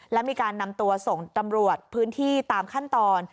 และมีการนำตัวส่งตำรวจพื้นที่ตามขั้นตอน